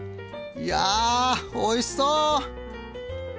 いやおいしそう！